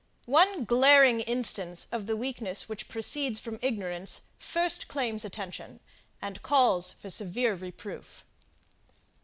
One glaring instance of the weakness which proceeds from ignorance, first claims attention, and calls for severe reproof.